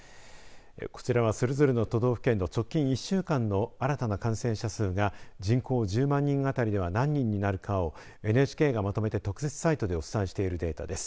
こちらは、それぞれの都道府県の直近１週間の新たな感染者数が人口１０万人あたりでは何人になるかをＮＨＫがまとめて特設サイトでお伝えしているデータです。